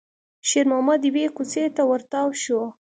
شېرمحمد يوې کوڅې ته ور تاو شو.